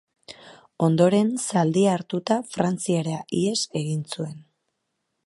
Ondoren, zaldia hartuta, Frantziara ihes egin zuen.